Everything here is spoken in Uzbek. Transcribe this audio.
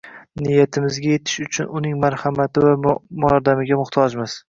Niyatimizga yetish uchun uning marhamati va yordamiga muhtojmiz